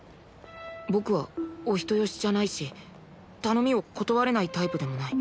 僕はお人よしじゃないし頼みを断れないタイプでもない。